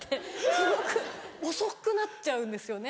すごく遅くなっちゃうんですよね